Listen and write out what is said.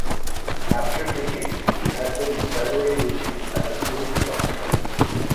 After peaking, the typhoon steadily weakened as it moved westward.